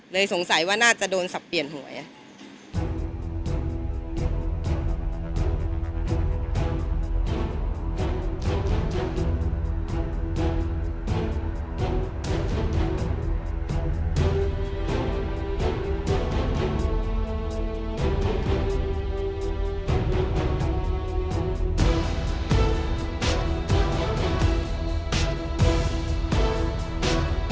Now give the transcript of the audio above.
เลยสงสัยว่าน่าจะโดนสับเปลี่ยนหัวเนี่ย